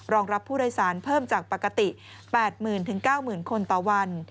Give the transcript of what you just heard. รับผู้โดยสารเพิ่มจากปกติ๘๐๐๐๙๐๐คนต่อวัน